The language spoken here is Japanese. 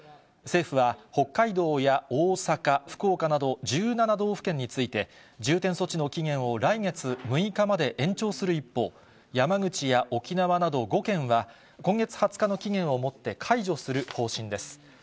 政府は北海道や大阪、福岡など１７道府県について、重点措置の期限を来月６日まで延長する一方、山口や沖縄など５県は、今月２０日の期限をもって解除する方針です。